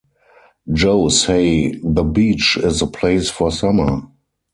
Joe say The beach is the place for summer.